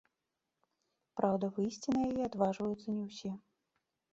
Праўда, выйсці на яе адважваюцца не ўсе.